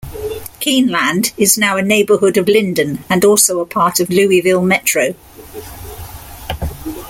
Keeneland is now a neighborhood of Lyndon and also a part of Louisville Metro.